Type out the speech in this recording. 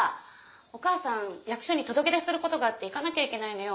お母さん役所に届け出することがあって行かなきゃいけないのよ。